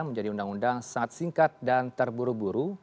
menjadi undang undang sangat singkat dan terburu buru